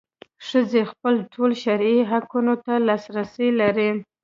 ښځې خپلو ټولو شرعي حقونو ته لاسرسی لري.